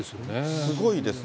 すごいですね。